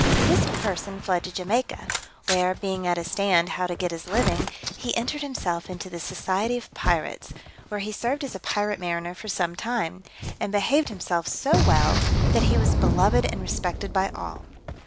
This person fled to Jamaica, where, being at a stand how to get his living, he entered himself into the society of pirates, where he served as a private mariner for some time, and behaved himself so well, that he was beloved and respected by all.